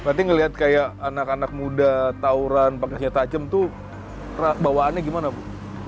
berarti ngelihat kayak anak anak muda tawuran pake cinta tajam tuh bawaannya gimana bu